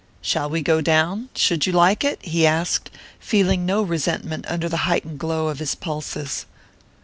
"Shall we go down? Should you like it?" he asked, feeling no resentment under the heightened glow of his pulses.